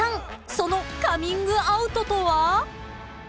そのカミングアウトとは？］